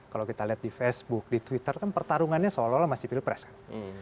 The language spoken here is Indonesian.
kalau kita lihat di facebook di twitter kan pertarungannya seolah olah masih pilpres kan